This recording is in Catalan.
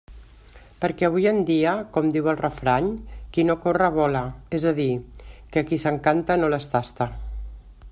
Perquè avui en dia, com diu el refrany, qui no corre vola, és a dir, que qui s'encanta no les tasta.